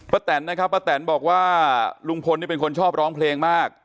แตนนะครับป้าแตนบอกว่าลุงพลนี่เป็นคนชอบร้องเพลงมาก